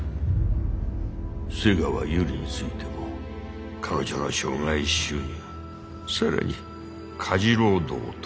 瀬川ユリについても彼女の生涯収入更に家事労働等